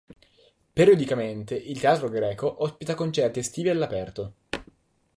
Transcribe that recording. Periodicamente il Teatro greco ospita concerti estivi all'aperto.